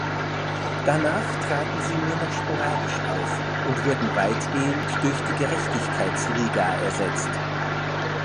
Danach traten sie nur noch sporadisch auf und wurden weitgehend durch die Gerechtigkeitsliga ersetzt.